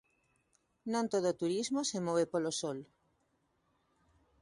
Non todo o turismo se move polo sol.